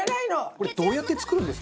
これどうやって作るんですか？